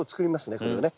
これでね。